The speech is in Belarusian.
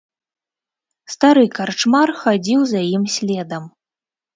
Стары карчмар хадзіў за ім следам.